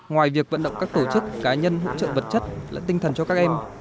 ngoài việc vận động các tổ chức cá nhân hỗ trợ vật chất lẫn tinh thần cho các em